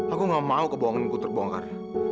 aku gak mau kebohongan ku terbongkar